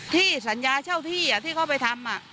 ที่สัญญาเช่าที่ที่เขาไปทำ